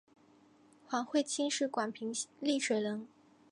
黄晦卿是广平丽水人。